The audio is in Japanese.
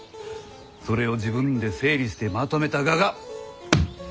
それを自分で整理してまとめたががこの本じゃ。